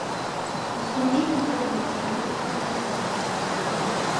اجتماعي کلتور د مطالعې په فضاء کې پرمختګ کوي.